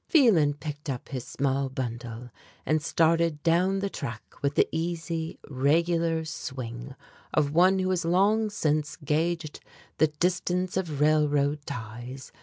Phelan picked up his small bundle and started down the track with the easy, regular swing of one who has long since gaged the distance of railroad ties.